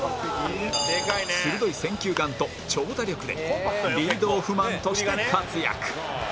鋭い選球眼と長打力でリードオフマンとして活躍